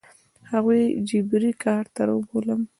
هغوی جبري کار ته رابولم.